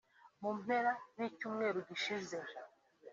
mu mpera z’icyumweru gishinze